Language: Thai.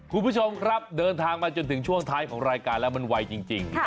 คุณผู้ชมครับเดินทางมาจนถึงช่วงท้ายของรายการแล้วมันไวจริง